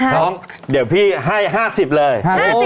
น้องเดี๋ยวพี่ให้๕๐เลย